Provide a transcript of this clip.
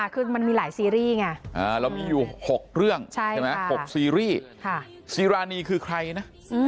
คือมันมีหลายซีรีส์ไงเรามีอยู่๖เรื่องใช่ไหม๖ซีรีส์ซีรานีคือใครนะ